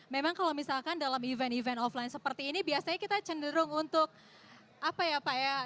memang kalau misalkan dalam event event offline seperti ini biasanya kita cenderung untuk apa ya pak ya